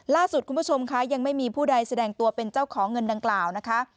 คุณผู้ชมค่ะยังไม่มีผู้ใดแสดงตัวเป็นเจ้าของเงินดังกล่าวนะคะ